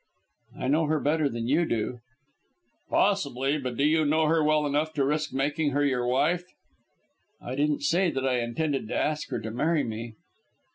"I know her better than you do." "Possibly. But do you know her well enough to risk making her your wife?" "I didn't say that I intended to ask her to marry me."